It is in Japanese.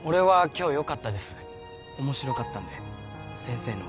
面白かったんで先生の講義。